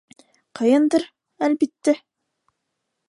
Ҡыйындыр, әлбиттә.